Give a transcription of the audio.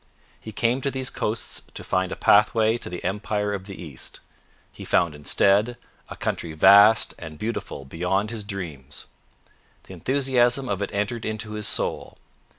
He came to these coasts to find a pathway to the empire of the East. He found instead a country vast and beautiful beyond his dreams. The enthusiasm of it entered into his soul.